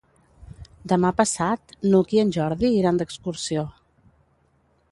Demà passat n'Hug i en Jordi iran d'excursió.